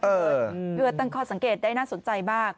เฉพาะเมื่อก่อนสังเกตได้น่าสนใจมาก